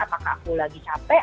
apakah aku lagi capek